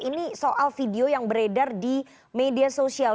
ini soal video yang beredar di media sosial